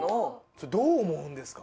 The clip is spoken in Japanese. それどう思うんですか？